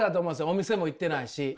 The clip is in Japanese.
お店も行ってないし。